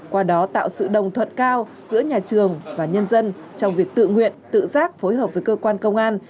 qua đó tạo sự đồng thuận cao giữa nhà trường và nhân dân trong việc tự nguyện tự giác phối hợp với cơ quan công an